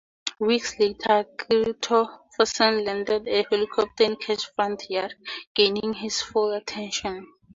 Weeks later Kristofferson landed a helicopter in Cash's front yard, gaining his full attention.